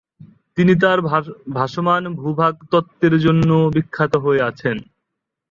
তিনি তার "ভাসমান ভূ-ভাগ তত্ত্বের" জন্য বিখ্যাত হয়ে আছেন।